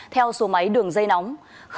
theo số máy đường dây nóng